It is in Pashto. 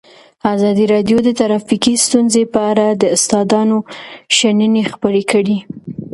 ازادي راډیو د ټرافیکي ستونزې په اړه د استادانو شننې خپرې کړي.